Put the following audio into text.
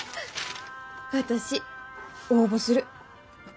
私応募する。